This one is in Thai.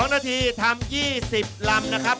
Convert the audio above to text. ๒นาทีทำ๒๐ลำนะครับ